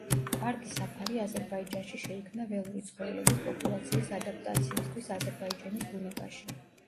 პარკი საფარი აზერბაიჯანში შეიქმნა ველური ცხოველების პოპულაციის ადაპტაციისთვის აზერბაიჯანის ბუნებაში.